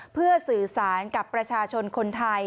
เพื่อสื่อสารกับประชาชนคนไทย